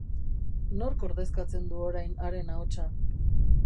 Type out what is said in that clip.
Nork ordezkatzen du orain haren ahotsa?